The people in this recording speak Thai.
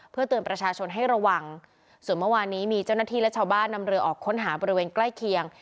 เพื่อเตือนประชาชนให้ระวังส่วนเมื่อวานนี้มีเจ้าหน้าที่และชาวบ้านนำเรือออกค้นหาบริเวณใกล้เคียง